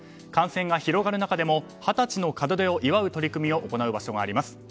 感染が広がる中でも二十歳の門出を祝う取り組みを行う場所があります。